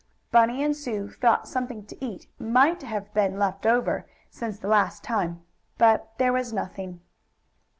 Bunny and Sue thought something to eat might have been left over since the last time, but there was nothing.